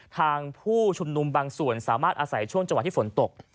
ผู้ชุมนุมบางส่วนสามารถอาศัยช่วงจังหวะที่ฝนตก